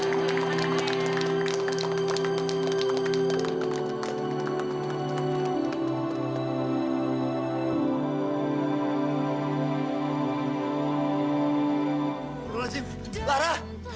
mbak radjim lara